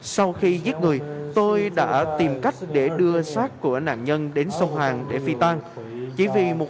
sau khi giết người tôi đã tìm cách để đưa sát của nạn nhân đến sông hàng để phi tan chỉ vì một